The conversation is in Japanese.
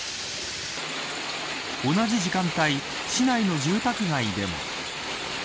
同じ時間帯、市内の住宅街でも。